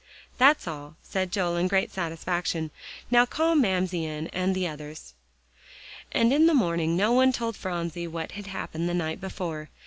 "That's all," said Joel in great satisfaction. "Now, call Mamsie in and the others." And in the morning, no one told Phronsie what had happened the night before.